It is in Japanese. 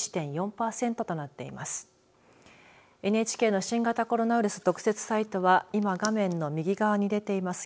ＮＨＫの新型コロナウイルス特設サイトは今画面の右側に出ています